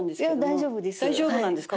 大丈夫なんですか？